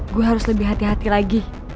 gue harus lebih hati hati lagi